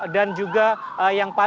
dan juga yang paling dibutuhkan